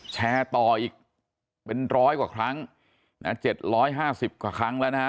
แชร์ต่ออีกเป็นร้อยกว่าครั้งนะ๗๕๐กว่าครั้งแล้วนะฮะ